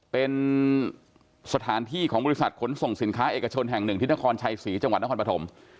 เป็นสถานที่ของบริษัทขนส่งสินค้าเอกชนแห่งหนึ่งที่นครชัยศรีจังหวัดนครปฐม